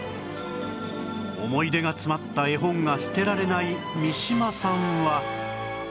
思い出が詰まった絵本が捨てられない三島さんは